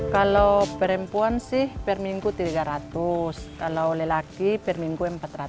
kalau perempuan sih per minggu tiga ratus kalau lelaki per minggu empat ratus